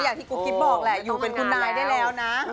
ที่กุ๊บกิ๊บบอกแหละอยู่เป็นคุณนายได้แล้วนะ